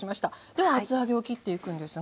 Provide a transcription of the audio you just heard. では厚揚げを切っていくんですが。